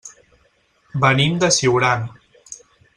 Venim de Siurana.